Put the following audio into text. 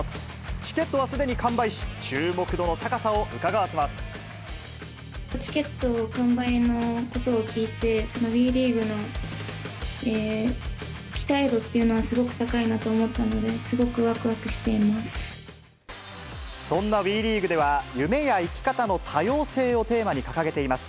チケットはすでに完売し、注目度の高さをうチケット完売のことを聞いて、ＷＥリーグの期待度っていうのはすごく高いなと思ったので、そんなＷＥリーグでは、夢や生き方の多様性をテーマに掲げています。